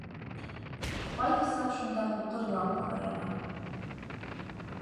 Ҡайһы саҡ шунда һуҡыр лампа ла яна.